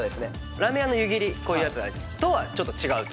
ラーメン屋の湯切りこういうやつとはちょっと違うと。